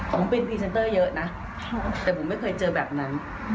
ของเป็นพรีเซนเตอร์เยอะนะแต่ผมไม่เคยเจอแบบนั้น